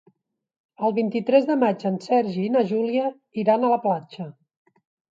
El vint-i-tres de maig en Sergi i na Júlia iran a la platja.